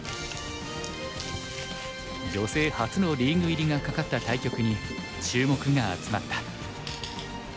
女性初のリーグ入りが懸かった対局に注目が集まった。